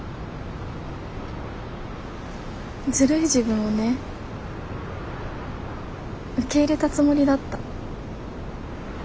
ずるい自分をね受け入れたつもりだった。